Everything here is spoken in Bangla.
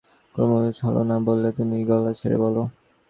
কুমু সম্মত হল না, বললে, তুমিই গলা ছেড়ে বলো।